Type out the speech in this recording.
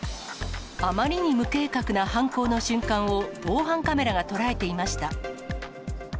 あまりに無計画な犯行の瞬間を、防犯カメラが捉えていました。